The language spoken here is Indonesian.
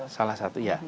salah satu ya